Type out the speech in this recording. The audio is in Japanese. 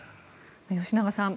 吉永さん